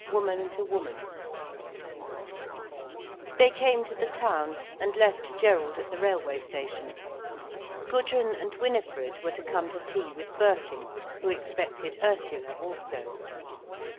WOMAN TO WOMAN They came to the town, and left Gerald at the railway station. Gudrun and Winifred were to come to tea with Birkin, who expected Ursula also.